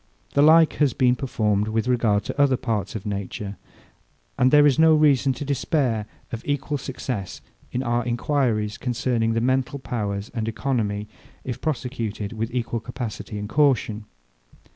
The like has been performed with regard to other parts of nature. And there is no reason to despair of equal success in our enquiries concerning the mental powers and economy, if prosecuted with equal capacity and caution.